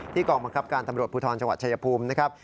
กองบังคับการตำรวจภูทรจังหวัดชายภูมินะครับ